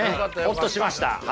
ホッとしました。